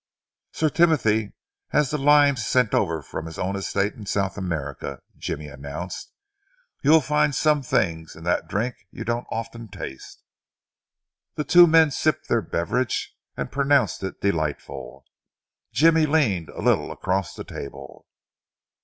"Sir Timothy has the limes sent over from his own estate in South America," Jimmy announced. "You will find some things in that drink you don't often taste." The two men sipped their beverage and pronounced it delightful. Jimmy leaned a little across the table.